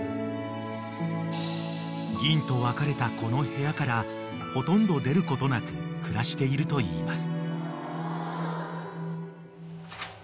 ［ぎんと別れたこの部屋からほとんど出ることなく暮らしているといいます］